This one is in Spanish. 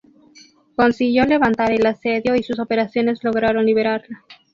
Consiguió levantar el asedio y sus operaciones lograron liberarla.